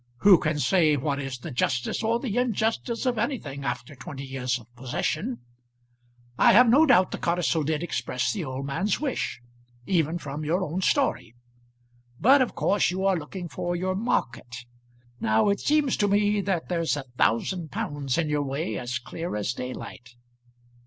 Who can say what is the justice or the injustice of anything after twenty years of possession? I have no doubt the codicil did express the old man's wish, even from your own story. But of course you are looking for your market. Now it seems to me that there's a thousand pounds in your way as clear as daylight."